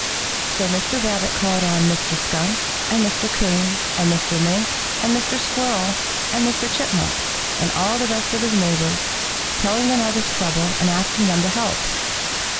So Mr. Rabbit called on Mr. Skunk and Mr. Coon and Mr. Mink and Mr. Squirrel and Mr. Chipmunk, and all the rest of his neighbors, telling them of his trouble and asking them to help.